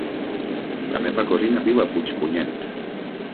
La meva cosina viu a Puigpunyent.